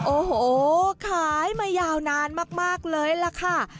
โอ้โหขายมายาวนานมากเลยล่ะค่ะ